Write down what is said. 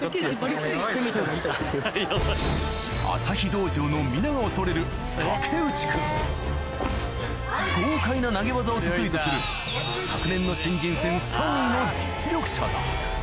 朝飛道場の皆が恐れる豪快な投げ技を得意とする昨年の実力者だ